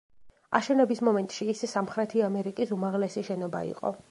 აშენების მომენტში ის სამხრეთი ამერიკის უმაღლესი შენობა იყო.